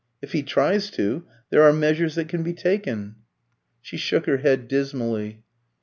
If he tries to, there are measures that can be taken." She shook her head dismally.